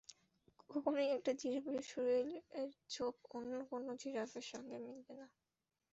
কখনোই একটা জিরাফের শরীরের ছোপ অন্য কোনো জিরাফের সঙ্গে মিলবে না।